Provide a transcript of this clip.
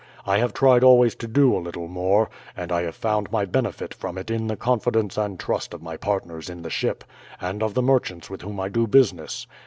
I have tried always to do a little more, and I have found my benefit from it in the confidence and trust of my partners in the ship, and of the merchants with whom I do business.